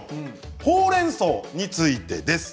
ほうれんそうについてです。